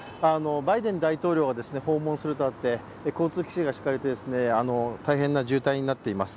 バイデン大統領が訪問するとあって交通規制が敷かれて、大変な渋滞となっています。